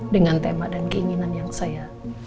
dengan tema dan keinginan yang saya